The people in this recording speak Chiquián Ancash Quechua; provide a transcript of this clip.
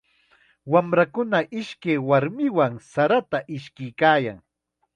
Wamrakuna ishkay warmiwan sarata ishkuykaayan.